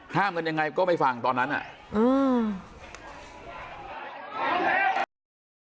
ห้ามกันยังไงก็ไม่ฟังตอนนั้นอ่ะอืม